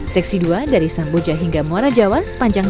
seksi dua dari samboja hingga muara jawa sepanjang tiga puluh satu km